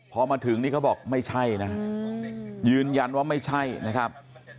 พอมาถึงนี่เขาบอกไม่ใช่นะฮะยืนยันว่าไม่ใช่นะครับ